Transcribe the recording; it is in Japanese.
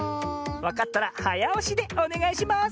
わかったらはやおしでおねがいします！